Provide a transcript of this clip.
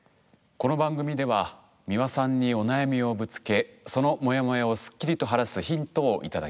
この番組では美輪さんにお悩みをぶつけそのモヤモヤをすっきりと晴らすヒントを頂きます。